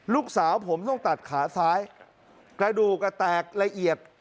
ลูกสาวผมต้องตัดขาซ้ายกระดูกแตกละเอียด